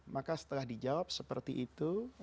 maka setelah dijawab seperti itu